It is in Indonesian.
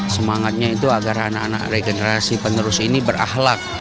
semangatnya itu agar anak anak regenerasi penerus ini berahlak